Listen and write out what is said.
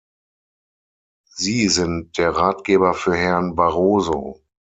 Sie sind der Ratgeber für Herrn Barroso.